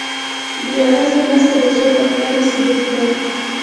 بېغرضه مرسته د زړه پاکوالي ثبوت دی.